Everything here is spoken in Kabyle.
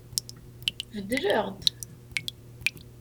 Beddleɣ-d.